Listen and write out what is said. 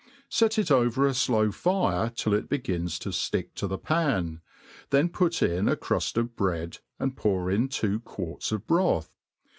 Set it over a flow fire till it begins to fticic to the pan, then put in a cruft of bread, and pour in two quarts of broth.